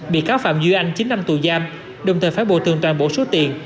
bị cáo phạm duy anh chín năm tù giam đồng thời phát bộ tường toàn bộ số tiền